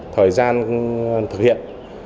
thời gian thực hiện